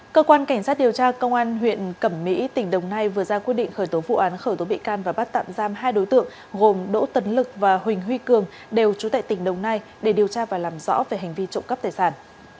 cơ quan cảnh sát điều tra công an huyện cẩm mỹ tỉnh đồng nai vừa ra quyết định khởi tố vụ án khởi tố bị can và bắt tạm giam hai đối tượng gồm đỗ tấn lực và huỳnh huy cường đều trú tại tỉnh đồng nai để điều tra và làm rõ về hành vi trộm cắp tài sản